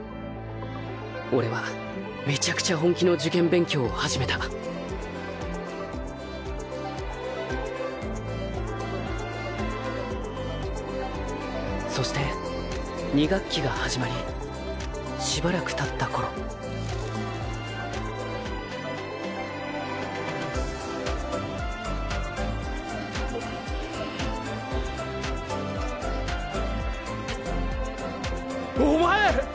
俺はめちゃくちゃ本気の受験勉強を始めたそして２学期が始まりしばらくたった頃お前！